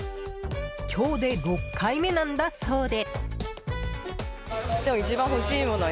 今日で６回目なんだそうで。